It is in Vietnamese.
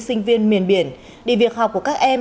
sinh viên miền biển thì việc học của các em